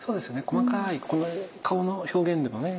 細かい顔の表現でもね